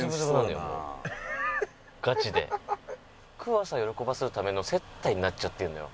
クワさん喜ばせるための接待になっちゃってるのよ。